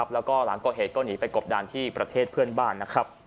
และก่อนหลังก่อเหตุนี่ไปกบดาลประเทศเพื่อนบ้าน